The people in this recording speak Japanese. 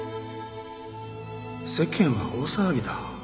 世間は大騒ぎだ。